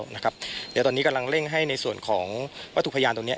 เดี๋ยวตอนนี้กำลังเร่งให้ในส่วนของวัตถุพยานตรงนี้